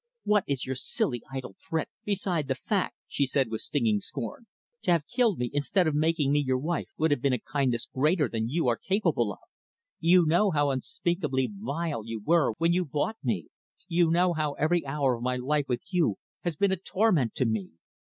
"What is your silly, idle threat beside the fact," she said with stinging scorn. "To have killed me, instead of making me your wife, would have been a kindness greater than you are capable of. You know how unspeakably vile you were when you bought me. You know how every hour of my life with you has been a torment to me.